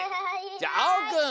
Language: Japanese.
じゃああおくん。